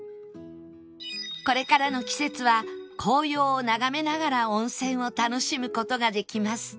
これからの季節は紅葉を眺めながら温泉を楽しむ事ができます